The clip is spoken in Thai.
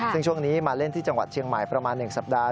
ซึ่งช่วงนี้มาเล่นที่จังหวัดเชียงใหม่ประมาณ๑สัปดาห